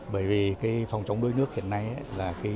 bởi vì phòng chống đuối nước hiện nay là